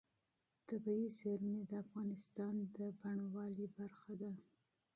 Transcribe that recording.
طبیعي زیرمې د افغانستان د بڼوالۍ برخه ده.